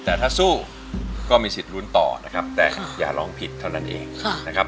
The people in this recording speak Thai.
แต่ถ้าสู้ก็มีสิทธิ์ลุ้นต่อนะครับแต่อย่าร้องผิดเท่านั้นเองนะครับ